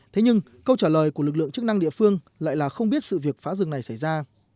thế nhưng câu trả lời của lực lượng chức năng địa phương lại là không biết sự việc phá rừng này xảy ra